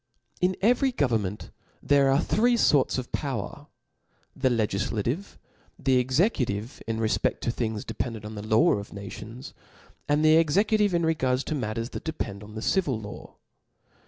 T N every government there are three forts of ^ pQwer : the' legiflaiive ; the executive in re fpeft to things dependent on the law of nations ^ and'the eMCutive in regard ^ta matoers that de pend on the civil law.